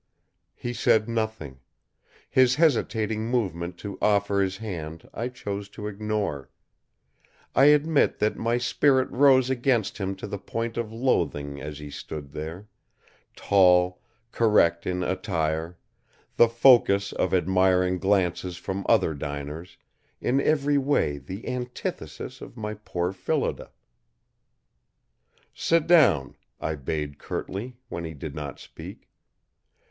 He said nothing. His hesitating movement to offer his hand I chose to ignore. I admit that my spirit rose against him to the point of loathing as he stood there, tall, correct in attire the focus of admiring glances from other diners in every way the antithesis of my poor Phillida. "Sit down," I bade curtly, when he did not speak.